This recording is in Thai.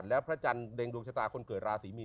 แล้วพระจันทร์เร็งดวงชะตาคนเกิดราศีมีน